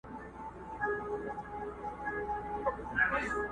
د قسمت کارونه ګوره بوډا جوړ سو؛